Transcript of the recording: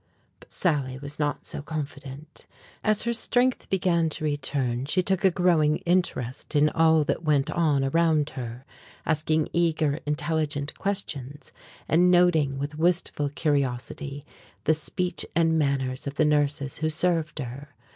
But Sally was not so confident. As her strength began to return she took a growing interest in all that went on around her, asking eager, intelligent questions and noting with wistful curiosity the speech and manners of the nurses who served her.